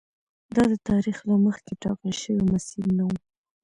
دا د تاریخ له مخکې ټاکل شوی مسیر نه و.